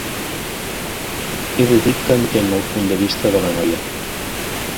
He de dir que entenc el punt de vista de la noia.